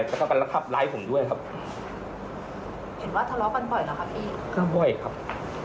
แล้วก็กำลักษณะครับไล่ผมด้วยครับเห็นว่าทะเลาะกันบ่อยเหรอครับพี่